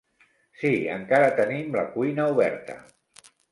Sí, encara tenim la cuina oberta.